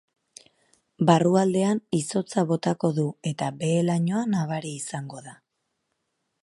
Barrualdean izotza botako du eta behe lainoa nabari izango da.